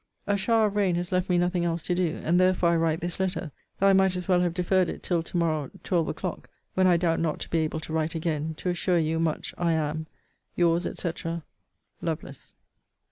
A shower of rain has left me nothing else to do; and therefore I write this letter; though I might as well have deferred it till to morrow twelve o'clock, when I doubt not to be able to write again, to assure you much I am Yours, &c. LOVELACE.